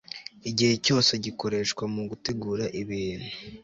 Igihe cyose gikoreshwa mu gutegura ibintu